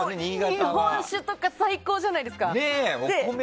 日本酒とか最高じゃないですか。